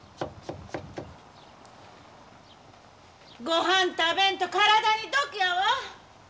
ごはん食べんと体に毒やわ！